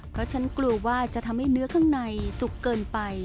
เพราะฉันกลัวว่าจะทำให้เนื้อข้างในสุกเกินไป